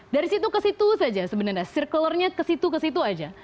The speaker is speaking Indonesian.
dari situ ke situ saja sebenarnya circularnya ke situ ke situ saja